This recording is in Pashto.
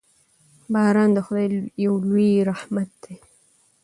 باران د خدای یو لوی رحمت دی.